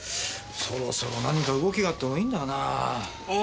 そろそろ何か動きがあってもいいんだがなあ。